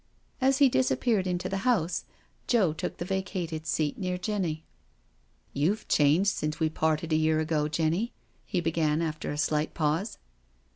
As he disappeared into the house, Joe took the vacated seat near Jenny. " You've changed since we've parted a year ago, Jenny," he began, after a slight pause.